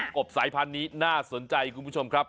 กบสายพันธุ์นี้น่าสนใจคุณผู้ชมครับ